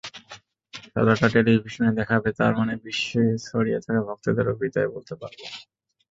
খেলাটা টেলিভিশনে দেখাবে, তার মানে বিশ্বে ছড়িয়ে থাকা ভক্তদেরও বিদায় বলতে পারব।